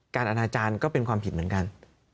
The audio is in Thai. อนาจารย์ก็เป็นความผิดเหมือนกัน